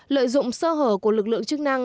lợi dụng sơ hở của lực lượng chức năng